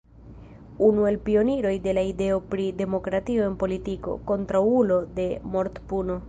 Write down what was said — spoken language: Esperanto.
Unu el pioniroj de la ideo pri demokratio en politiko, kontraŭulo de mortpuno.